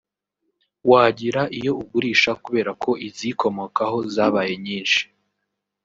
wagira iyo ugurisha kubera ko iziyikomokaho zabaye nyinshi